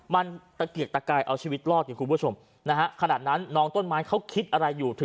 มันตะเกียกตะกายเอาชีวิตรอดเนี่ยคุณผู้ชมนะฮะขนาดนั้นน้องต้นไม้เขาคิดอะไรอยู่